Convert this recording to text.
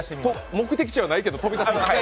目的地はないけど飛び出すの？